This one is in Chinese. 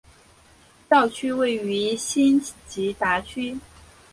教区位于辛吉达区。